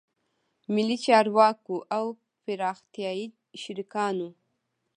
ملي چارواکو او پراختیایي شریکانو